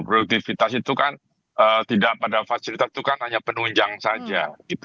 produktivitas itu kan tidak pada fasilitas itu kan hanya penunjang saja